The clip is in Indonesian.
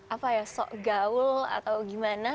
apa ya sok gaul atau gimana